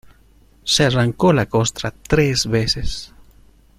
Se arrancó la costra tres veces.